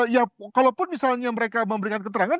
ya kalaupun misalnya mereka memberikan keterangan